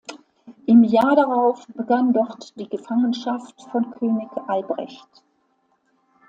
Im Jahr darauf begann dort die Gefangenschaft von König Albrecht.